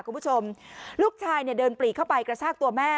คุณผู้ชมลูกชายเนี่ยเดินปลีกเข้าไปกระชากตัวแม่